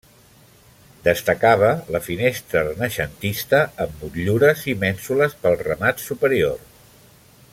Destacava la finestra renaixentista amb motllures i mènsules pel remat superior.